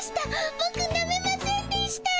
ボクなめませんでしたぁ。